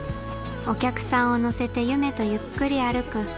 お客さんを乗せて夢とゆっくり歩く